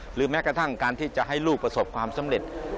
หรือแม้กระทั่งการที่จะให้ลูกประสบความสำเร็จ